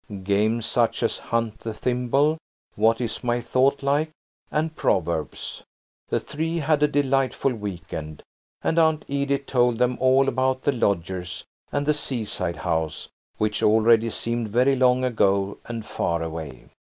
Games such as "Hunt the thimble," "What is my thought like," and "Proverbs." The three had a delightful weekend, and Aunt Edith told them all about the lodgers and the seaside house, which already seemed very long ago and far away.